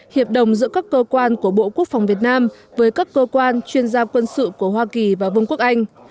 hiệp đồng giữa các cơ quan của bộ quốc phòng việt nam với các cơ quan chuyên gia quân sự của hoa kỳ và vương quốc anh